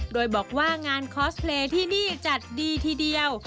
โดยบอกว่างานคอสเพลย์ที่นี่จัดดีทีเดียว